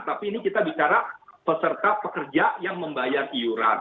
tapi ini kita bicara peserta pekerja yang membayar iuran